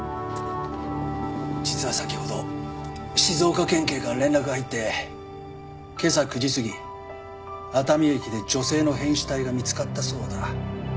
実は先ほど静岡県警から連絡が入って今朝９時過ぎ熱海駅で女性の変死体が見つかったそうだ。